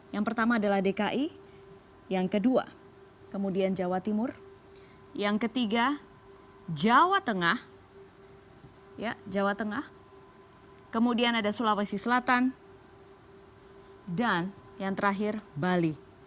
yang pertama adalah dki yang kedua kemudian jawa timur yang ketiga jawa tengah jawa tengah kemudian ada sulawesi selatan dan yang terakhir bali